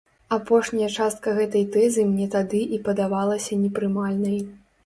Апошняя частка гэтай тэзы мне тады і падавалася непрымальнай.